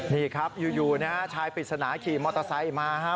นี่ครับอยู่นะฮะชายปริศนาขี่มอเตอร์ไซค์มาครับ